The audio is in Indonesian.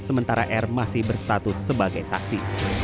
sementara r masih berstatus sebagai saksi